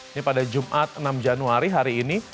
ini pada jumat enam januari hari ini